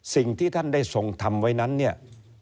สิ่งที่ท่านได้ทรงทำไว้นั้นเนี่ย